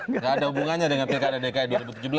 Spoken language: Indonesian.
enggak ada hubungannya dengan pki dan dki dua ribu tujuh belas